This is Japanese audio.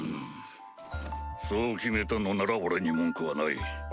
そう決めたのなら俺に文句はない。